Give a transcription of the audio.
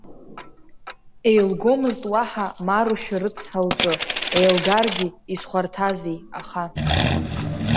Еилгомызт уаҳа Марушьа рыцҳа лҿы, еилгаргьы изхәарҭази, аха.